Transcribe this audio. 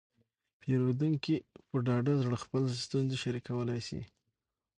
پیرودونکي په ډاډه زړه خپله ستونزه شریکولی شي.